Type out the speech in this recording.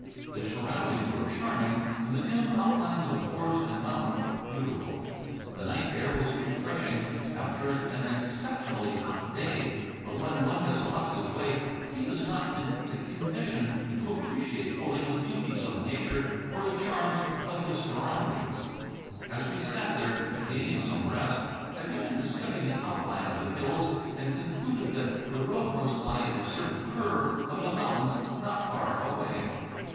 The surroundings were charming and the dim outlines of forest and mountain beautiful. The night air was refreshing, after an exceptionally hot day; but when one has lost his way, he is not in a condition to appreciate fully the beauties of nature or the charms of his surroundings. As we sat there, gaining some rest, I began to study the outline of the hills, and concluded that the road must lie in a certain curve of the mountains not far away.